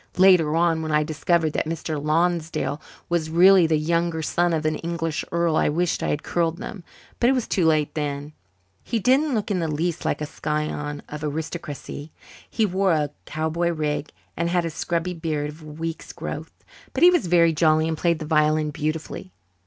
Later on, when I discovered that Mr. Lonsdale was really the younger son of an English earl, I wished I had curled them, but it was too late then. He didn't look in the least like a scion of aristocracy. He wore a cowboy rig and had a scrubby beard of a week's growth. But he was very jolly and played the violin beautifully.